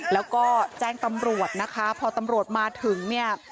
แล้วก็แจ้งตำรวจนะคะพอตำรวจมาถึงเนี่ย